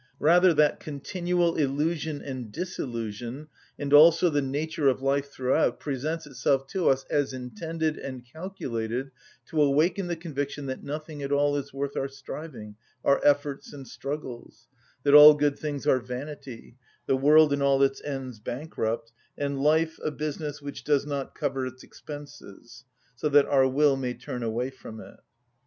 Rather that continual illusion and disillusion, and also the nature of life throughout, presents itself to us as intended and calculated to awaken the conviction that nothing at all is worth our striving, our efforts and struggles, that all good things are vanity, the world in all its ends bankrupt, and life a business which does not cover its expenses;—so that our will may turn away from it.